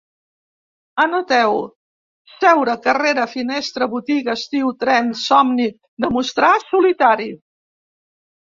Anotau: seure, carrera, finestra, botiga, estiu, tren, somni, demostrar, solitari